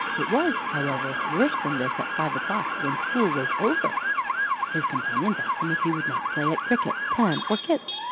It was, however, worse than this at five o'clock, when school was over. "His companions asked him if he would not play at cricket, tan, or kits.